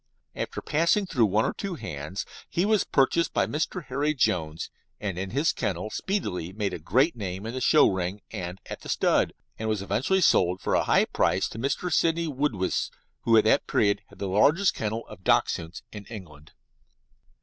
After passing through one or two hands he was purchased by Mr. Harry Jones, and in his kennel speedily made a great name in the show ring and at the stud, and was eventually sold for a high price to Mr. Sidney Woodiwiss, who at that period had the largest kennel of Dachshunds in England.